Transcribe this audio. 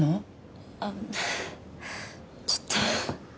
あっちょっと。